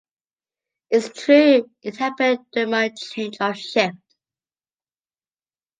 It's true, it happened during my change of shift.